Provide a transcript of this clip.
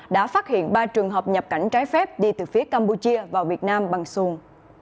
đã phát hiện ba trường hợp nhập cảnh trái phép đi từ phía campuchia vào việt nam bằng xuồng